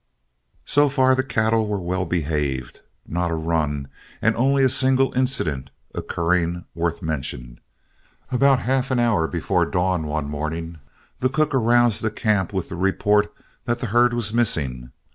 So far the cattle were well behaved, not a run, and only a single incident occurring worth mention. About half an hour before dawn one morning, the cook aroused the camp with the report that the herd was missing.